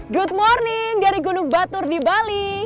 good morning dari gunung batur di bali